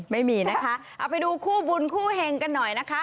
ไม่มีนะคะเอาไปดูคู่บุญคู่เฮงกันหน่อยนะคะ